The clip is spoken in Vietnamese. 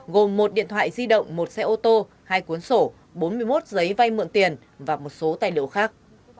gồm một điện thoại di động một xe ô tô hai cuốn sổ bốn mươi một giấy vay mượn tiền và một số tài liệu khác